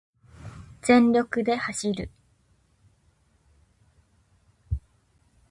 全力で走る